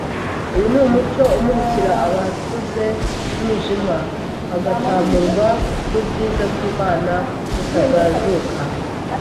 Uyu ni umucyo umurikira ahacuze umwijima hagatamururwa n’ubwiza bw’Imana butagajuka